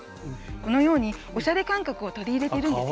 このように、おしゃれ感覚を取り入れているんです。